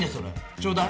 ちょうだい！